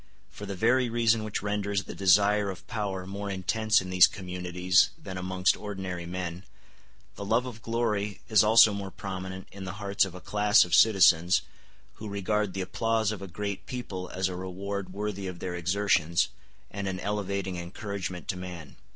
For the very reason which renders the desire of power more intense in these communities than amongst ordinary men, the love of glory is also more prominent in the hearts of a class of citizens, who regard the applause of a great people as a reward worthy of their exertions, and an elevating encouragement to man.